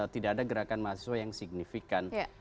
tidak ada gerakan mahasiswa yang signifikan